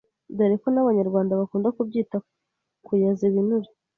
dore ko n’abanyarwanda bakunda kubyita kuyaza ibinure.